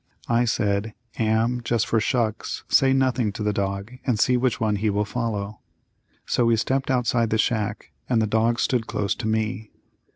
I said. Am, just for shucks, say nothing to the dog and see which one he will follow. So we stepped outside the shack and the dog stood close to me.